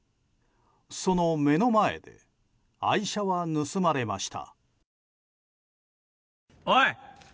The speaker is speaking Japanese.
その目の前で愛車は盗まれました。